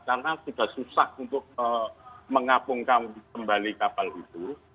karena sudah susah untuk mengapungkan kembali kapal itu